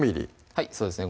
はいそうですね